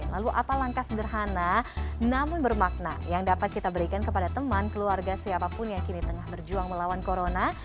lalu apa langkah sederhana namun bermakna yang dapat kita berikan kepada teman keluarga siapapun yang kini tengah berjuang melawan corona